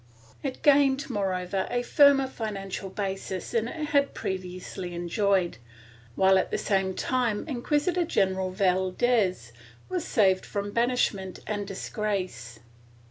It gained moreover a firmer financial basis than it had previously enjoyed, while, at the same time, Inquisitor general Valdes was saved from banish ment and disgrace.